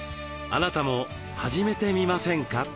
あなたも始めてみませんか？